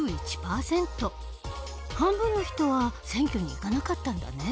半分の人は選挙に行かなかったんだね。